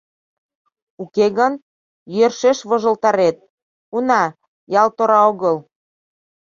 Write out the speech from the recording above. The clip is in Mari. Уке гын, йӧршеш вожылтарет: уна, ял тора огыл.